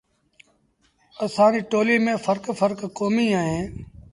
اسآݩ ريٚ ٽوليٚ ميݩ ڦرڪ ڦرڪ ڪوميݩ اوهيݩ۔